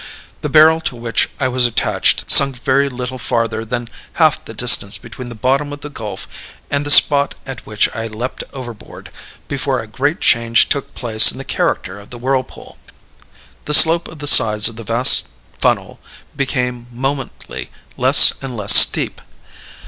The barrel to which I was attached sunk very little farther than half the distance between the bottom of the gulf and the spot at which I leaped overboard, before a great change took place in the character of the whirlpool. "The slope of the sides of the vast funnel became momently less and less steep.